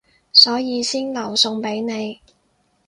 所以先留餸畀你